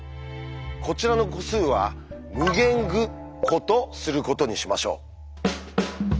こちらの個数は「∞ぐ」個とすることにしましょう。